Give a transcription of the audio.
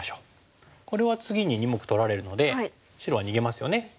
これは次に２目取られるので白は逃げますよね。